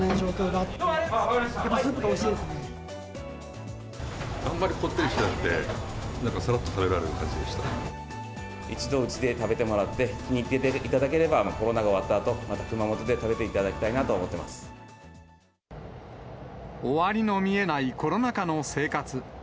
あんまりこってりしてなくて、一度うちで食べてもらって、気に入っていただければ、コロナが終わったあと、また熊本で食べていただきたいなと思って終りの見えないコロナ禍の生活。